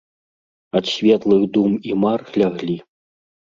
Ад светлых дум і мар ляглі.